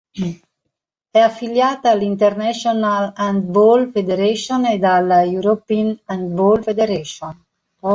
È affiliata alla International Handball Federation ed alla European Handball Federation.